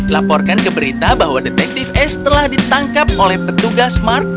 laporkan ke berita bahwa detektif ace telah ditangkap oleh petugas mark